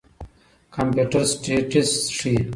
کمپيوټر سټېټس ښيي.